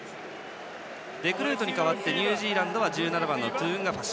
デグルートに代わってニュージーランドはトゥウンガファシ。